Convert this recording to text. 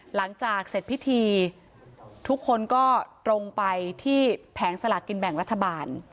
หลังจากเสร็จพิธีทุกคนก็ตรงไปที่แผงสลากกินแบ่งรัฐบาล